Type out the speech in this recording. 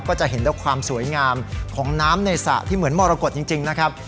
จะเห็นแล้วความสวยงามของน้ำในสระที่เหมือนมรกฏจริงนะครับ